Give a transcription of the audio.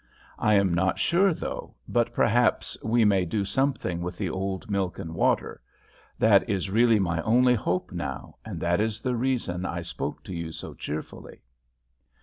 I am not sure, though, but perhaps we may do something with the old milk and water: that is really my only hope now, and that is the reason I spoke to you so cheerfully."